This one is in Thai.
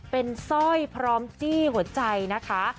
เป็นสร้อยพร้อมจี้หัวใจนะคะ